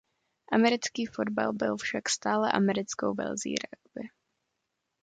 Americký fotbal byl však stále americkou verzí ragby.